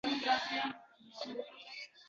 Uni tanlash uchun yarim kun ovora bo`lgandi